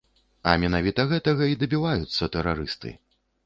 А менавіта гэтага і дабіваюцца тэрарысты.